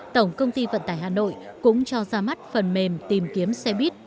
tổng công ty vận tải hà nội cũng cho ra mắt phần mềm tìm kiếm xe buýt